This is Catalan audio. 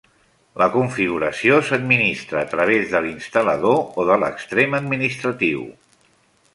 La configuració s'administra a través de l'instal·lador o de l'extrem administratiu.